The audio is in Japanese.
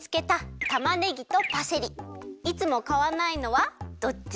いつもかわないのはどっち？